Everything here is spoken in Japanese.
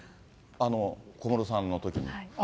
小室さんのときに。